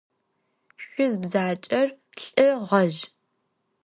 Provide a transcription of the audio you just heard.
Шъуз бзаджэр лӏы гъэжъ.